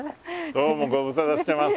どうもご無沙汰してます。